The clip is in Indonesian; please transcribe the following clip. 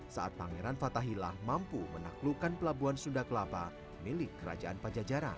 saat pangeran fathahilah mampu menaklukkan pelabuhan sunda kelapa milik kerajaan pajajaran